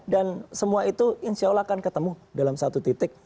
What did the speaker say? dan semua itu insya allah akan ketemu dalam satu titik